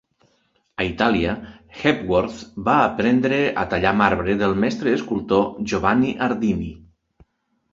A Itàlia, Hepworth va aprendre a tallar marbre del mestre escultor, Giovanni Ardini.